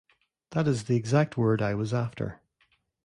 That is the exact word I was after.